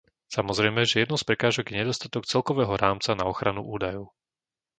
Samozrejme, že jednou z prekážok je nedostatok celkového rámca na ochranu údajov.